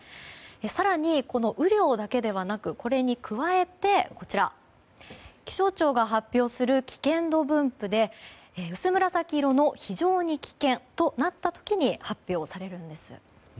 更に雨量だけではなくこれに加えて気象庁が発表する危険度分布が薄紫色の非常に危険となった時に発表されるんです。